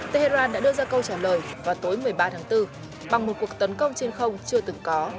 tehran đã đưa ra câu trả lời vào tối một mươi ba tháng bốn bằng một cuộc tấn công trên không chưa từng có